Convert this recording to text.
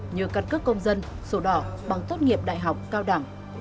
như căn cước công dân sổ đỏ bằng tốt nghiệp đại học cao đẳng